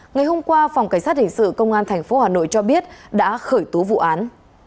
ngày hôm qua phòng cảnh sát hình sự công an tp hà nội cho biết đã khởi tố vụ án